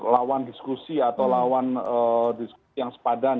lawan diskusi atau lawan diskusi yang sepadan